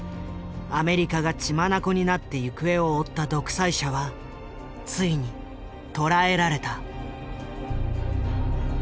アメリカが血眼になって行方を追った独裁者はついに捕らえられた。